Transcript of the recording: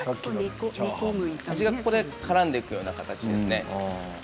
味がここでからんでいくような形ですね。